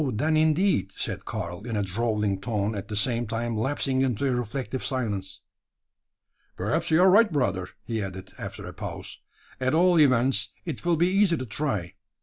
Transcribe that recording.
then, indeed," said Karl, in a drawling tone, at the same time lapsing into a reflective silence. "Perhaps you are right, brother," he added, after a pause. "At all events, it will be easy to try.